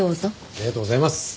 ありがとうございます！